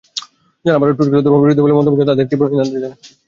যাঁরা আমার টুইটগুলো ধর্মবিরোধী বলে মন্তব্য করছেন তাঁদের তীব্র নিন্দা জানাচ্ছি।